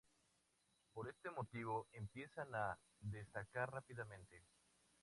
Por este motivo, empiezan a destacar rápidamente.